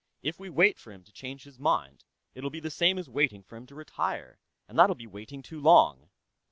"If we wait for him to change his mind, it'll be the same as waiting for him to retire. And that'll be waiting too long."